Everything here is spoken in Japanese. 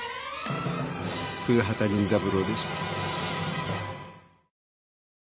古畑任三郎でした。